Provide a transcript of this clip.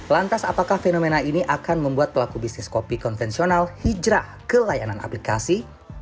lantas apakah fenomena ini akan membuat pelaku bisnis kopi konvensional hijrah ke layanan aplikasi